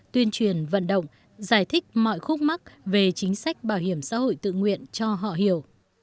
tuyên truyền vận động giải thích mọi khúc mắc về chính sách bảo hiểm xã hội tự nguyện cho họ hiểu